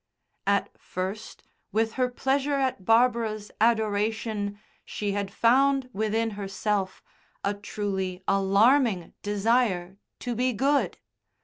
At first with her pleasure at Barbara's adoration she had found, within herself, a truly alarming desire to be "good."